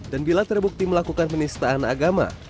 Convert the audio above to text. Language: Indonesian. dan bila terbukti melakukan penistaan agama